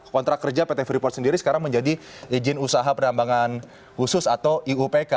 kontrak kerja pt freeport sendiri sekarang menjadi izin usaha penambangan khusus atau iupk